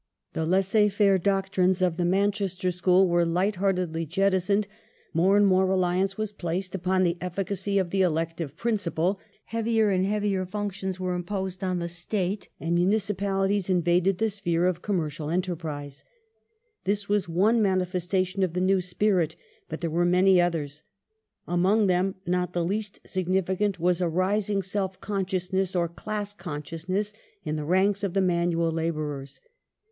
The laisser faire doctrines of the Manchester School were light heartedly jettisoned ; more and more reliance was placed upon the efficacy of the elective principle ; heavier and heavier functions were imposed upon the State, and municipalities invaded the sphere of commercial enterprise. This was one mani festation of the new spirit, but there were many others. Among them not the least significant was a rising self consciousness, or class consciousness, in the ranks of the manual labourers.